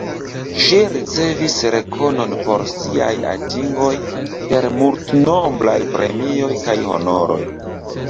Ŝi ricevis rekonon por siaj atingoj per multoblaj premioj kaj honoroj.